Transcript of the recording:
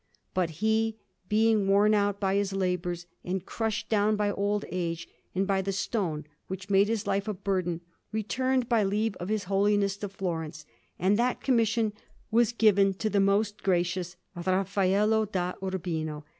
But he, being worn out by his labours, and crushed down by old age and by the stone, which made his life a burden, returned by leave of his Holiness to Florence; and that commission was given to the most gracious Raffaello da Urbino.